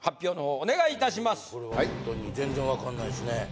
はいホントに全然分かんないっすね